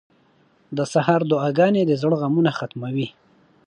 • د سهار دعاګانې د زړه غمونه ختموي.